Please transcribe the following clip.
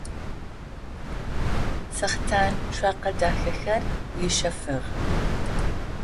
Сэхътан цокъэ дахэхэр ищэфыгъ.